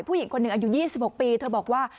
ผู้หญิงคนหนึ่งอายุ๒๖ปีเธอบอกว่า